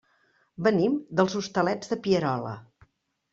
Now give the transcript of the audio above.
Venim dels Hostalets de Pierola.